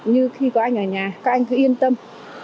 như khi có anh ở nhà các anh cứ yên tâm